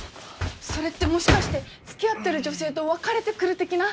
それってもしかして付き合ってる女性と別れてくる的な？